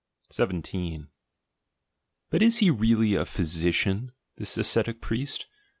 17 But is he really a physician, this ascetic priest?